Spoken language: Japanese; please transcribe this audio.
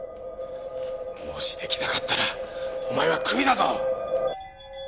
もし出来なかったらお前はクビだぞ。